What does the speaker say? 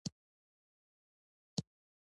ملا صیب د خلکو سره خبرې وکړې.